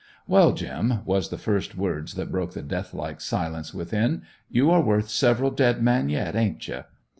"Well, Jim," was the first words that broke the death like silence within, "you are worth several dead men yet, ain't you?"